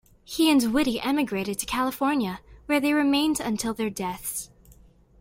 He and Whitty emigrated to California, where they remained until their deaths.